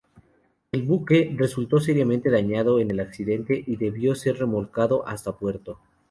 El buque, resultó seriamente dañado en el accidente, y debió ser remolcado hasta puerto.